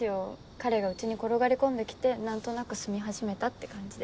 彼が家に転がり込んで来て何となく住み始めたって感じで。